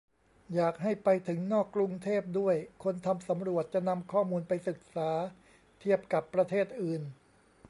อยากให้ไปถึงนอกกรุงเทพด้วย คนทำสำรวจจะนำข้อมูลไปศึกษาเทียบกับประเทศอื่น